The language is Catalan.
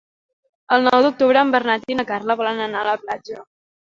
El nou d'octubre en Bernat i na Carla volen anar a la platja.